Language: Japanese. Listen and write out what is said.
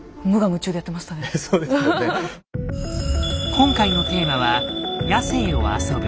今回のテーマは「野性を遊ぶ」。